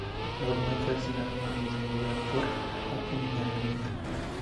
Molnar fue asesinado ese mismo día por apuñalamiento.